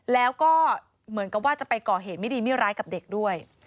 แล้วก็เหมือนกับว่าจะไปก่อเหตุไม่ดีไม่ร้ายกับเด็กด้วย